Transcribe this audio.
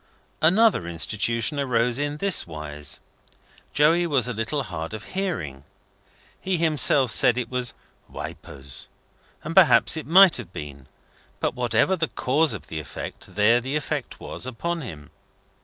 Another Institution arose in this wise. Joey was a little hard of hearing. He himself said it was "Wapours," and perhaps it might have been; but whatever the cause of the effect, there the effect was, upon him.